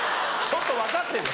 ちょっと分かってる。